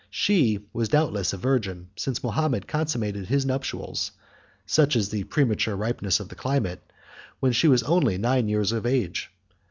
She was doubtless a virgin, since Mahomet consummated his nuptials (such is the premature ripeness of the climate) when she was only nine years of age.